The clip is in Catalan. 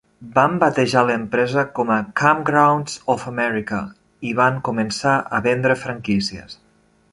Van batejar l'empresa com a Kampgrounds of America i van començar a vendre franquícies.